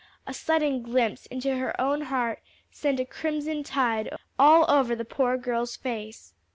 A sudden glimpse into her own heart sent a crimson tide all over the poor girl's face.